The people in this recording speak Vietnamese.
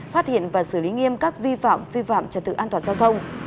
phát hiện và xử lý nghiêm các vi phạm vi phạm trật tự an toàn giao thông